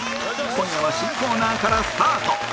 今夜は新コーナーからスタート